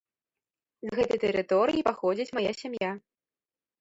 З гэтай тэрыторыі паходзіць мая сям'я.